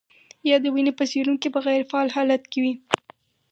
یا د وینې په سیروم کې په غیر فعال حالت کې وي.